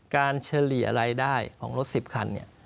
เฉลี่ยรายได้ของรถ๑๐คันเนี่ย